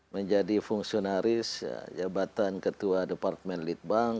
menjadi fungsionaris jabatan ketua departemen litbang